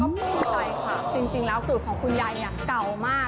ก็พูดไปค่ะจริงแล้วสูตรของคุณยายเนี่ยเก่ามาก